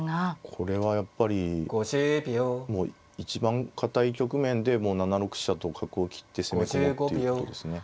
これはやっぱり一番堅い局面でもう７六飛車と角を切って攻め込もうっていうことですね。